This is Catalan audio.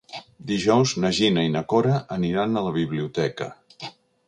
Dijous na Gina i na Cora aniran a la biblioteca.